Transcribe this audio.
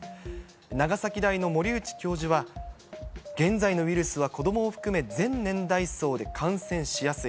長崎大の森内教授は、現在のウイルスは子どもを含め、全年代層で感染しやすい。